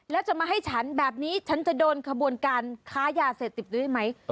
แล้วจะมาให้ฉันแบบนี้ฉันจะโดนขบวนการค้ายาเสพติดด้วยได้ไหม